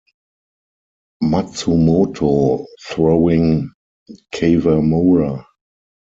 Matsumoto throwing Kawamura.